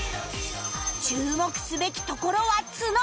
注目すべきところは角